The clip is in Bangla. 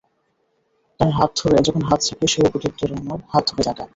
তার হাত ধরে যখন হাত ঝাঁকাই, সেও প্রত্যুত্তরে আমার হাত ধরে ঝাঁকায়।